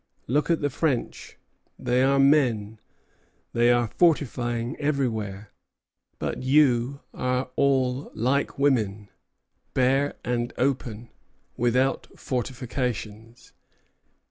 Look at the French: they are men; they are fortifying everywhere. But you are all like women, bare and open, without fortifications."